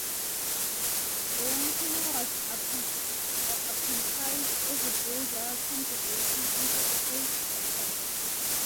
The young Cremer was apprenticed as a builder, soon developing into a skilled carpenter.